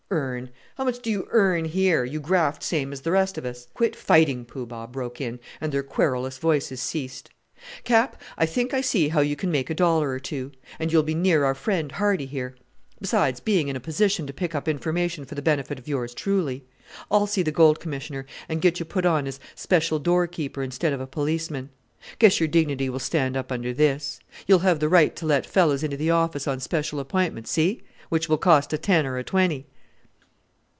"Earn! How much do you earn here? You graft same as the rest of us." "Quit fighting," Poo Bah broke in, and their querulous voices ceased. "Cap, I think I see how you can make a dollar or two: and you'll be near our friend, Hardie, here; besides being in a position to pick up information for the benefit of yours truly. I'll see the Gold Commissioner, and get you put on as special door keeper instead of a policeman. Guess your dignity will stand up under this! You will have the right to let fellows into the office on special appointment see? which will cost a ten or a twenty!"